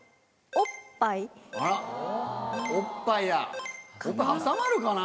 おっぱい挟まるかな？